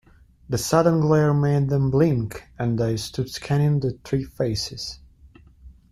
The sudden glare made them blink, and I stood scanning the three faces.